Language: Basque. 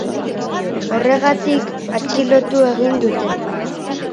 Horregatik, atxilotu egin dute.